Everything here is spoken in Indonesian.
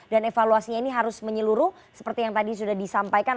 dan evaluasinya ini harus menyeluruh seperti yang tadi sudah disampaikan